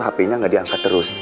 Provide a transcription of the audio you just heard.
hp nya nggak diangkat terus